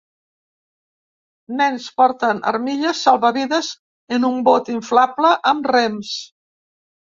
Nens porten armilles salvavides en un bot inflable amb rems.